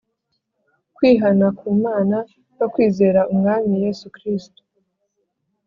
kwihana ku Mana no kwizera Umwami Yesu kristo.